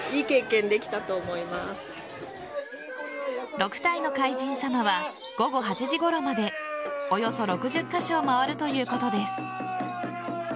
６体の海神様は午後８時ごろまでおよそ６０カ所を回るということです。